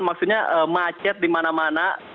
maksudnya macet di mana mana